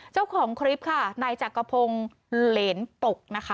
เจ้าของคลิปค่ะนายจักรพงศ์เหรนปกนะคะ